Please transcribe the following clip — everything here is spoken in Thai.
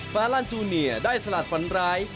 ฟ้าลั่นจูเนียได้สลัดฝันร้าย